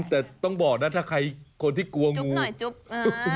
แต่ต้องบอกนะถ้าใครคนที่กลัวงูตายจุ๊บ